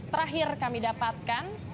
terakhir kami dapatkan